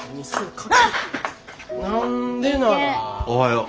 おはよう。